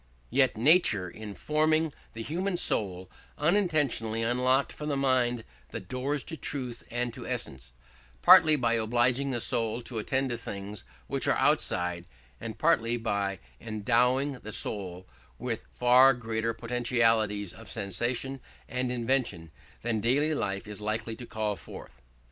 Yet nature, in forming the human soul, unintentionally unlocked for the mind the doors to truth and to essence, partly by obliging the soul to attend to things which are outside, and partly by endowing the soul with far greater potentialities of sensation and invention than daily life is likely to call forth.